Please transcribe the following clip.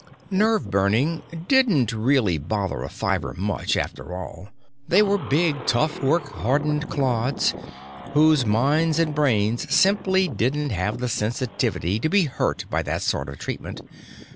Nerve burning didn't really bother a Five much, after all; they were big, tough, work hardened clods, whose minds and brains simply didn't have the sensitivity to be hurt by that sort of treatment.